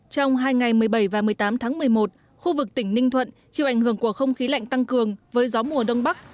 trong hai ngày một mươi bảy và một mươi tám tháng một mươi một khu vực tỉnh ninh thuận chịu ảnh hưởng của không khí lạnh tăng cường với gió mùa đông bắc